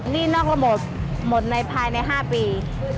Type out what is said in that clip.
หนี้นอกระบบหมดภายใน๕ปี